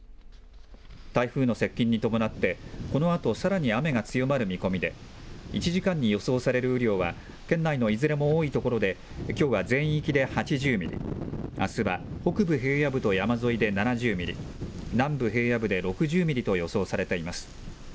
台風の接近に伴って、このあと、さらに雨が強まる見込みで、１時間に予想される雨量は、県内のいずれも多い所で、きょうは全域で８０ミリ、あすは北部平野部と山沿いで７０ミリ、南部平野部で６０ミリと予想されています。